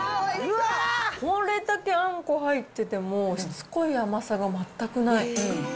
これだけあんこ入ってても、しつこい甘さが全くない。